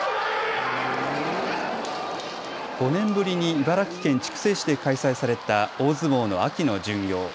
５年ぶりに茨城県筑西市で開催された大相撲の秋の巡業。